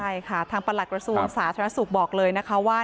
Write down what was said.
ใช่ค่ะทางประหลักกระทรวงสาธารณสุขบอกเลยนะคะว่า